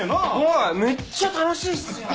はいめっちゃ楽しいっすよ。